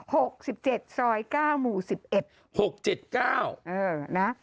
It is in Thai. หกสิบเจ็ดซอยเก้าหมู่สิบเอ็ดหกเจ็ดเก้าเออนะ